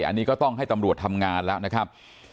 อันนี้ก็ต้องให้ตำรวจทำงานแล้วนะครับ